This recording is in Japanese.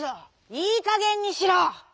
いいかげんにしろ！」。